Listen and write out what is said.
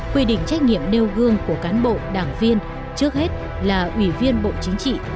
quy định trách nhiệm nêu gương của cán bộ đảng viên trước hết là ủy viên bộ chính trị